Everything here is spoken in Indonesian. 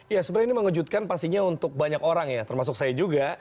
ya sebenarnya ini mengejutkan pastinya untuk banyak orang ya termasuk saya juga